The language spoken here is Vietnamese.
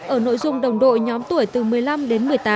ở nội dung đồng đội nhóm tuổi từ một mươi năm đến một mươi tám